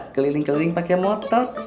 keliling keliling pakai motor